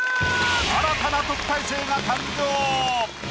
新たな特待生が誕生。